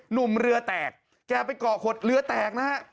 หนุ่มเรือแตกแกไปเกาะขดเรือแตกนะฮะ